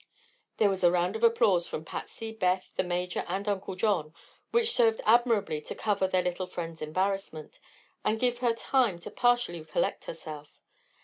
There was a round of applause from Patsy, Beth, the Major and Uncle John, which served admirably to cover their little friend's embarrassment and give her time to partially collect herself.